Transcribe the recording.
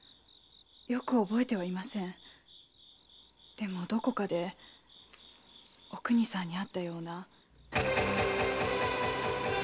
でもどこかでおくにさんに会ったような。